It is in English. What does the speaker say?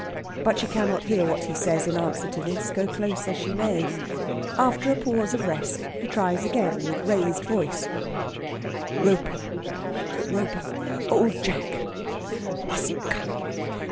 But she cannot hear what he says in answer to this, go close as she may. After a pause of rest he tries again, with raised voice: "Roper Roper Old Jack ... mustn't come